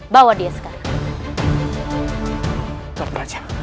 bawa dia sekarang